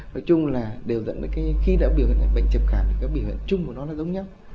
nói chung là đều dẫn đến khi đã bị bệnh trầm cảm thì các bì huyện chung của nó là giống nhau